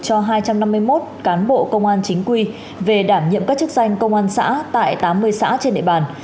cho hai trăm năm mươi một cán bộ công an chính quy về đảm nhiệm các chức danh công an xã tại tám mươi xã trên địa bàn